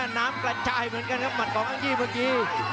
น้ำกระจายเหมือนกันครับหมัดของอ้างยี่เมื่อกี้